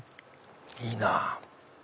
いいなぁ。